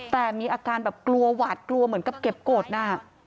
แต่มีอาการแบบกลัวหวาดกลัวเหมือนกับเก็บกฎน่ะ